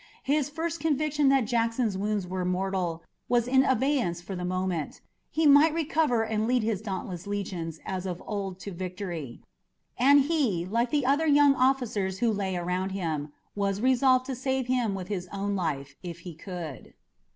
His first conviction that Jackson's wounds were mortal was in abeyance for the moment. He might yet recover and lead his dauntless legions as of old to victory, and he, like the other young officers who lay around him, was resolved to save him with his own life if he could.